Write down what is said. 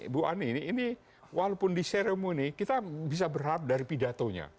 bu ani ini walaupun di seremoni kita bisa berharap dari pidatonya